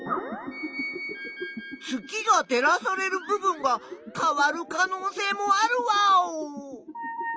月が照らされる部分が変わる可能性もあるワーオ。